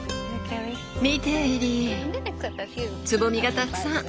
見てエリーつぼみがたくさん。